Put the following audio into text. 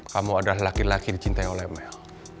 kamu adalah laki laki dicintai oleh mel